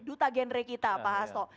duta genre kita pak hasto